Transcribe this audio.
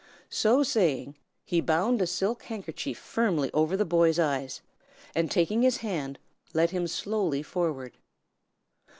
So saying, he bound a silk handkerchief firmly over the boy's eyes, and taking his hand, led him slowly forward.